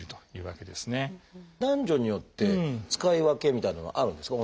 男女によって使い分けみたいなのはあるんですか？